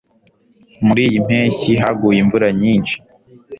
Muriyi mpeshyi haguye imvura nyinshi.